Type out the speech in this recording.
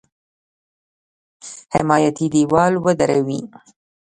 حمایتي دېوال ودروي.